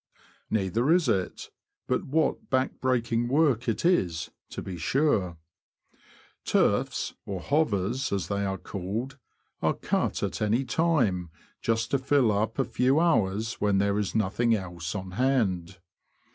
Neither is it ; but what back breaking work it is, to be sure ! Turfs, or " hovers " as they are called, are cut at any time, just to fill up a few hours when there is nothing else on hand.